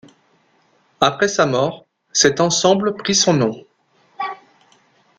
Après sa mort, cet ensemble prit son nom .